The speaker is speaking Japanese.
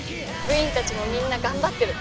部員たちもみんな頑張ってる。